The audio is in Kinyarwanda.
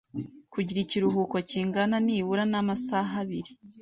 Kugira ikiruhuko kingana nibura n’amasaha abiri